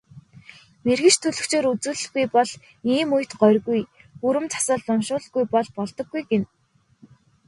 Мэргэч төлгөчөөр үзүүлэлгүй бол ийм үед горьгүй, гүрэм засал уншуулалгүй бол болдоггүй гэнэ.